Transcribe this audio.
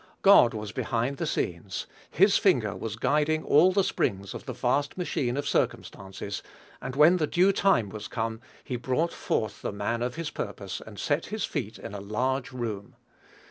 God was behind the scenes. His finger was guiding all the springs of the vast machine of circumstances, and when the due time was come, he brought forth the man of his purpose, and set his feet in a large room.